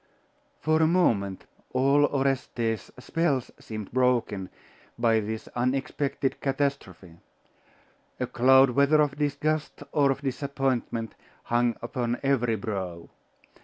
For a moment all Orestes's spells seemed broken by this unexpected catastrophe. A cloud, whether of disgust or of disappointment, hung upon every brow.